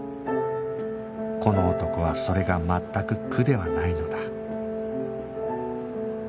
この男はそれが全く苦ではないのだ